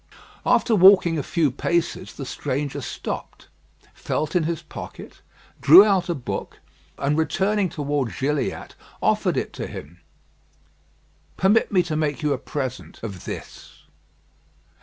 After walking a few paces, the stranger stopped, felt in his pocket, drew out a book, and returning towards Gilliatt, offered it to him. "Permit me to make you a present of this."